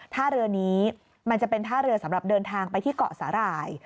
ท่าเรือนี้มันจะเป็นท่าเรือสำหรับเดินทางไปที่เกาะสาหร่าย